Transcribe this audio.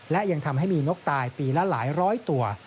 และยังทำให้มีนกตายปีละหลายร้อยตัว